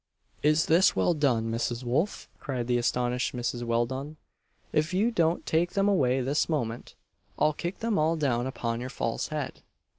"Is this well done, Mrs. Wolf?" cried the astonished Mrs. Welldone "if you don't take them away this moment, I'll kick them all down upon your false head!"